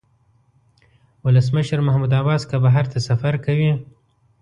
ولسمشر محمود عباس که بهر ته سفر کوي.